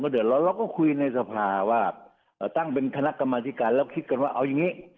เดือดร้อนเราก็คุยในสภาว่าตั้งเป็นคณะกรรมธิการแล้วคิดกันว่าเอาอย่างนี้